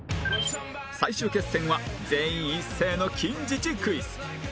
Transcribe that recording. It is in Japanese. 最終決戦は全員一斉の近似値クイズ